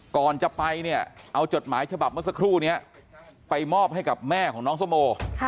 ก่อนจะไปเนี่ยเอาจดหมายฉบับเมื่อสักครู่นี้ไปมอบให้กับแม่ของน้องสโม